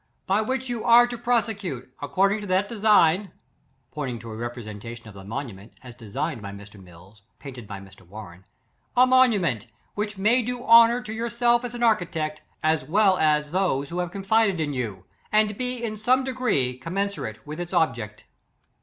by which you are to prosecute, according to that design, (pointing to a representation of the monument, as designed by Mr. Mills, painted by Mr .Warren,) a monu ment which may do honor to your self as an architect, as well as those wlio have confided in you, and be in some de gree commensurate with its object."